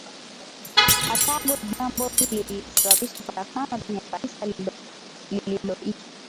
Karthago jambo hili lilisababisha farakano ndani ya Kanisa lililoitwa